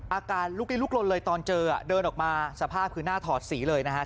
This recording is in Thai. อาการลุกลิ้ลุกลนเลยตอนเจอเดินออกมาสภาพคือหน้าถอดสีเลยนะฮะ